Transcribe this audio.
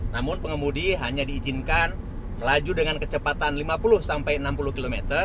namun pengemudi hanya diizinkan melaju dengan kecepatan lima puluh sampai enam puluh km